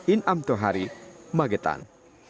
in amto hari magetan